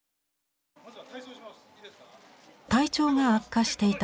体調が悪化していた９月。